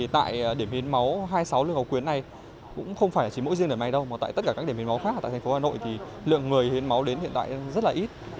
tại điểm hiến máu hai mươi sáu lương ngọc quyến này cũng không phải chỉ mỗi riêng ở này đâu mà tại tất cả các điểm hiến máu khác tại thành phố hà nội thì lượng người hiến máu đến hiện tại rất là ít